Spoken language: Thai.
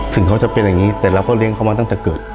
ถึงเขาจะเป็นอย่างนี้แต่เราก็เลี้ยงเขามาตั้งแต่เกิด